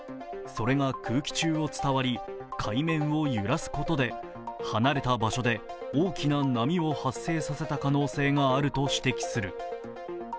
それが空気中を伝わり海面を揺らすことで離れた場所で大きな波を発生させた可能性があると指摘する。